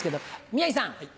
宮治さん。